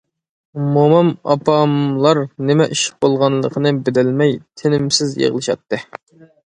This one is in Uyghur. مومام، ئاپاملار نېمە ئىش بولغانلىقىنى بىلەلمەي تىنىمسىز يىغلىشاتتى.